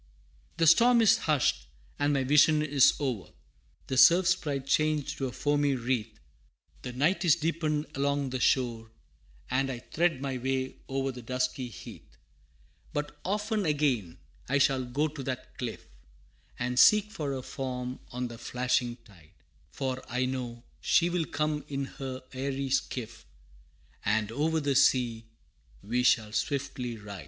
VI. The storm is hushed, and my vision is o'er, The Surf Sprite changed to a foamy wreath, The night is deepened along the shore, And I thread my way o'er the dusky heath. But often again I shall go to that cliff, And seek for her form on the flashing tide, For I know she will come in her airy skiff, And over the sea we shall swiftly ride!